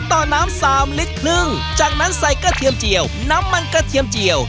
ต่อน้ำสามลิตรครึ่งจากนั้นใส่กระเทียมเจียวน้ำมันกระเทียมเจียว